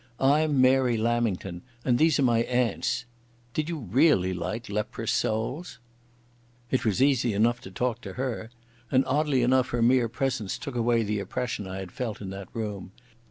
I'm Mary Lamington and these are my aunts.... Did you really like Leprous Souls?" It was easy enough to talk to her. And oddly enough her mere presence took away the oppression I had felt in that room.